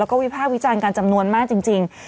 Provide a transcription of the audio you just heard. แล้วก็วิภาควิจารณ์กันจำนวนมากจริง